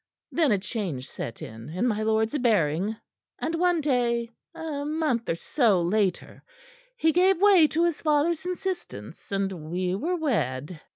Then a change set in in my lord's bearing, and one day, a month or so later, he gave way to his father's insistence, and we were wed.